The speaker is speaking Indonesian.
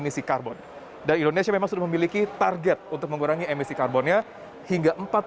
perbankan indonesia yang dikenal sebagai sektor perbankan